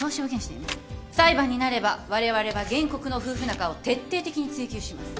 裁判になればわれわれは原告の夫婦仲を徹底的に追及します。